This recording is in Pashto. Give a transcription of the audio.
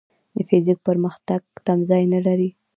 د فزیک پرمختګ تمځای نه لري.